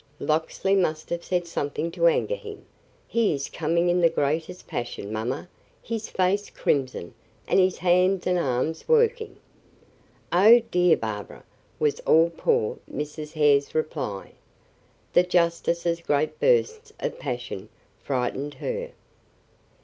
Locksley must have said something to anger him. He is coming in the greatest passion, mamma; his face crimson, and his hands and arms working." "Oh, dear, Barbara!" was all poor Mrs. Hare's reply. The justice's great bursts of passion frightened her.